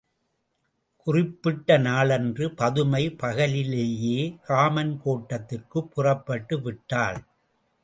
குறிப்பிட்ட நாளன்று பதுமை, பகலிலேயே காமன் கோட்டத்திற்குப் புறப்பட்டு விட்டாள்.